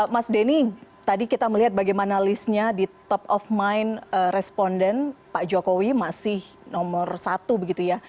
mas denny tadi kita melihat bagaimana listnya di top of mind responden pak jokowi masih nomor satu begitu ya